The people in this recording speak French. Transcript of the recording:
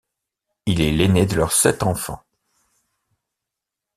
Il est l'aîné de leurs sept enfants.